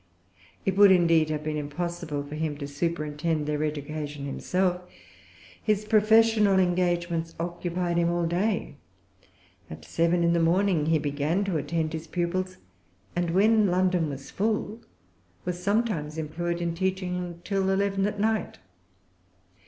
It would indeed have been impossible for him to superintend their education himself. His professional engagements occupied him all day. At seven in the morning he began to attend his pupils, and, when London was full, was sometimes employed in teaching till eleven at night.